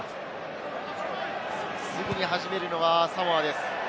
すぐに始めるのはサモアです。